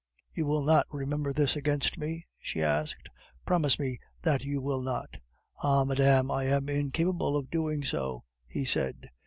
"You will not remember this against me?" she asked; "promise me that you will not." "Ah! madame, I am incapable of doing so," he said.